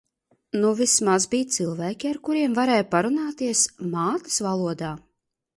Nu vismaz bija cilvēki ar kuriem varēja parunāt mātes valodā.